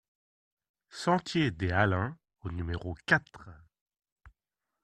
Sentier des Alains au numéro quatre